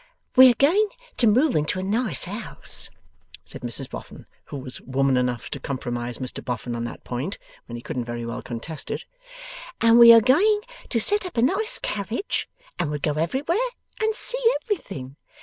'We are going to move into a nice house,' said Mrs Boffin, who was woman enough to compromise Mr Boffin on that point, when he couldn't very well contest it; 'and we are going to set up a nice carriage, and we'll go everywhere and see everything.